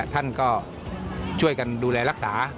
ท่านก็ช่วยกันดูแลรักษา